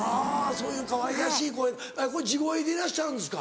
そういうかわいらしい声これ地声でいらっしゃるんですか？